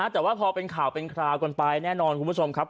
แต่ว่าพอเป็นข่าวเป็นคราวกันไปแน่นอนคุณผู้ชมครับ